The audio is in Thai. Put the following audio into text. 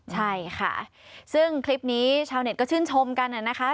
ใช่ค่ะซึ่งคลิปนี้ชาวเน็ตก็ชื่นชมกันนะคะ